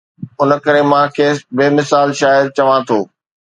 ان ڪري مان کيس بي مثال شاعر چوان ٿو.